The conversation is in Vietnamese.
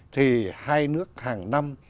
thì hai nước hàng năm